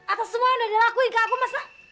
atas semua yang udah dilakuin ke aku masa